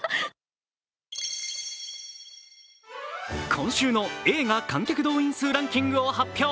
今週の映画観客動員数ランキングを発表。